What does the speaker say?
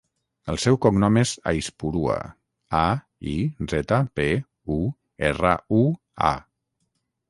El seu cognom és Aizpurua: a, i, zeta, pe, u, erra, u, a.